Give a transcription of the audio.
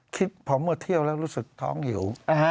พอเมื่อเที่ยวแล้วรู้สึกท้องหิว